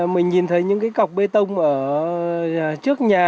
mình nhìn thấy những cái cọc bê tông ở trước nhà